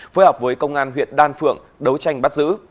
phối hợp với công an huyện đan phượng đấu tranh bắt giữ